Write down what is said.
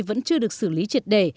vẫn chưa được xử lý triệt đề